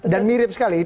dan mirip sekali